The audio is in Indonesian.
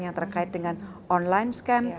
yang terkait dengan online scam